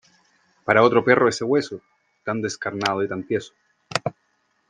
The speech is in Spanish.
Para otro perro ese hueso, tan descarnado y tan tieso.